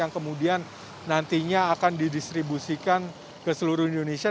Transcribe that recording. yang kemudian nantinya akan didistribusikan ke seluruh indonesia